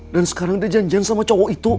dan sekarang dia janjian sama cowok itu